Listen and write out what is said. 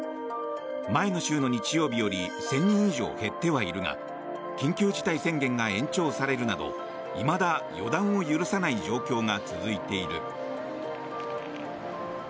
前の週の日曜日より１０００人以上減ってはいるが緊急事態宣言が延長されるなどいまだ予断を許さない状況が続いている。